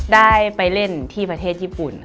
ได้ไปเล่นที่ประเทศญี่ปุ่น